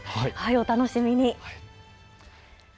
お楽しみに。